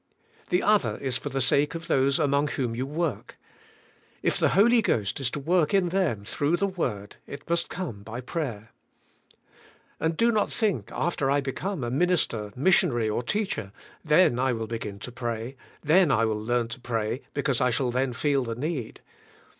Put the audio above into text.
The other is for the sake of those among whom you work. If the Holy Ghost is to work in them through the word it must come by prayer. And do not think after I become a minister, missionary, or teacher, then I will begin to pray, then I will learn to pray because I shall then feel the need.